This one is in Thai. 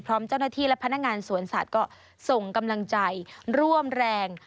พร้อมเจ้าหน้าที่และพนักงานสวนสัตว์ก็ส่งกำลังใจร่วมแรง